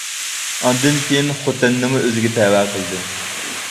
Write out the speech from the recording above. ئاندىن كېيىن خوتەننىمۇ ئۆزىگە تەۋە قىلدى.